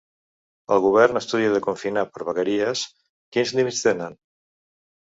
El govern estudia de confinar per vegueries: quins límits tenen?